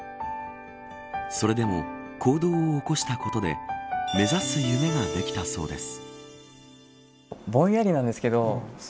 それでも行動を起こしたことで目指す夢ができたそうです。